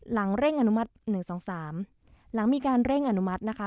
หลังเร่งอนุมัติหนึ่งสองสามหลังมีการเร่งอนุมัตินะคะ